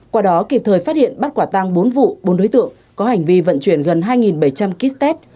qua đó kịp thời phát hiện bắt quả tăng bốn vụ bốn đối tượng có hành vi vận chuyển gần hai bảy trăm linh kist